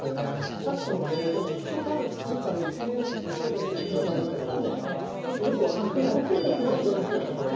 隆子の年齢、確か１年ずつ年をとってる気はするんだけどちょっとよく分からないっていうのが正直なところ。